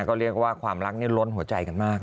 ก็เรียกว่าความรักนี่ล้นหัวใจกันมาก